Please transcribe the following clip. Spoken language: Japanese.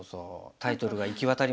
タイトルが行き渡りましたよね